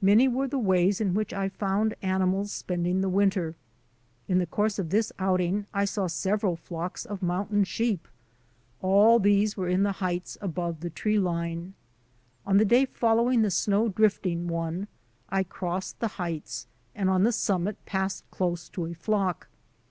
Many were the ways in which I found animals spending the winter. In the course of this out ing I saw several flocks of mountain sheep. All these were in the heights above the tree line. On the day following the snow drifting one I crossed the heights and on the summit passed close to a flock.